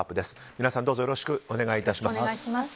皆さん、どうぞよろしくお願い致します。